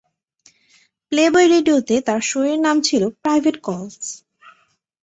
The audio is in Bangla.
প্লেবয় রেডিওতে তাঁর শোয়ের নাম ছিল "প্রাইভেট কলস"।